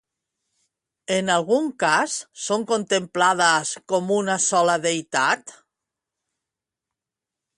En algun cas són contemplades com una sola deïtat?